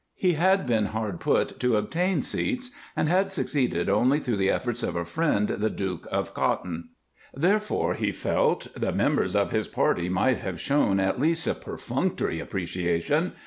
He had been hard put to obtain seats, and had succeeded only through the efforts of a friend, the Duke of Cotton; therefore, he felt, the members of his party might have shown at least a perfunctory appreciation.